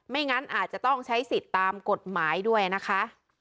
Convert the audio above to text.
งั้นอาจจะต้องใช้สิทธิ์ตามกฎหมายด้วยนะคะ